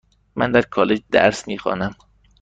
من در کالج درس میخوانم.